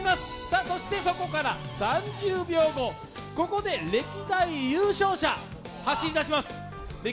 そこから３０秒後、ここで歴代優勝者が走り出します。